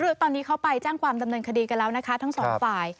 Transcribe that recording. คือตอนนี้เขาไปแจ้งความดำเนินคดีกันแล้วนะคะทั้งสองฝ่าย